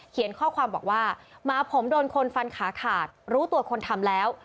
ข้อความบอกว่าหมาผมโดนคนฟันขาขาดรู้ตัวคนทำแล้ว